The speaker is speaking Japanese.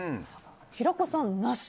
平子さん、なし。